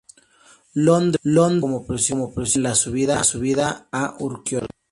Ion debutó como profesional en la Subida a Urkiola.